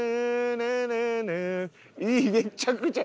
いいめちゃくちゃ。